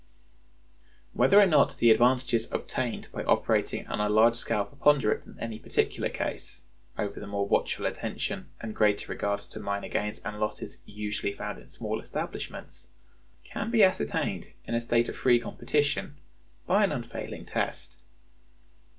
Whether or not the advantages obtained by operating on a large scale preponderate in any particular case over the more watchful attention and greater regard to minor gains and losses usually found in small establishments, can be ascertained, in a state of free competition, by an unfailing test.